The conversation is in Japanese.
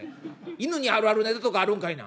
犬にあるあるネタとかあるんかいな。